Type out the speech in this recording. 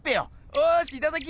おしいただき！